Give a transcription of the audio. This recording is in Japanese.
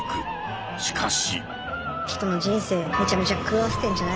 しかし！